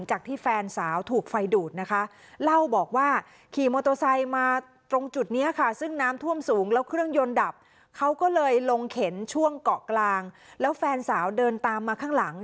ช่วงเกาะกลางแล้วแฟนสาวเดินตามมาข้างหลัง